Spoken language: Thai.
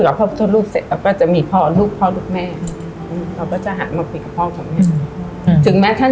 แล้วท่านให้เรากลับมา